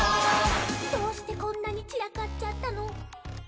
「どうしてこんなにちらかっちゃったの？」